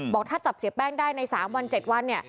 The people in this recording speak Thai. บอกถ้าจับเสียแป้งได้ใน๓วัน๗วัน